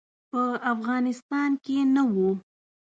په افغانستان کې نه وو.